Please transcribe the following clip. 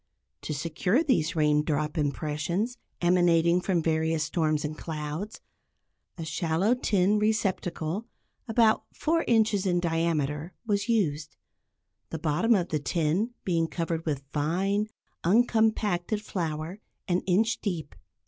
To secure these raindrop impressions, emanating from various storms and clouds, a shallow tin receptacle about four inches in diameter was used, the bottom of the tin being covered with fine, uncompacted flour an inch deep.